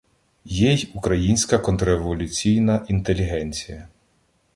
Є й українська "контрреволюційна" інтелігенція.